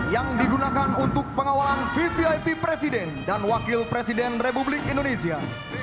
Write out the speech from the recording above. yang digunakan untuk pengawalan vvip presiden dan wakil presiden republik indonesia